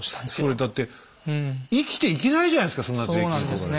それだって生きていけないじゃないですかそんな税金を取られたらね。